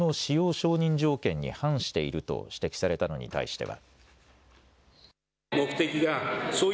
承認条件に反していると指摘されたのに対しては。